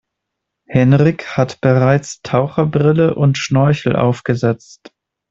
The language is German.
Henrik hat bereits Taucherbrille und Schnorchel aufgesetzt.